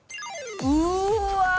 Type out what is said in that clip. うわ。